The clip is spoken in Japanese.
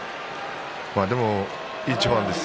でもいい一番です。